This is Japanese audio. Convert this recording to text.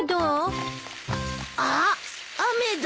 あっ雨だ。